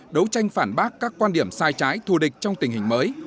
đấu tranh phản bác các quan điểm sai trái thù địch trong tình hình mới